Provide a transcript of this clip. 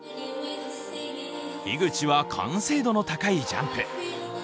樋口は完成度の高いジャンプ。